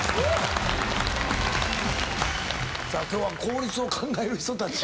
今日は効率を考える人たち？